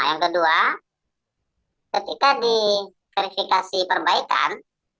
yang kedua ketika di verifikasi perbaikan